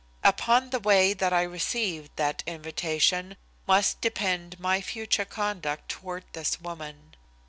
Upon the way that I received that invitation must depend my future conduct toward this woman.